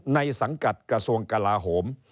สังกัดกระทรวงกลาโหม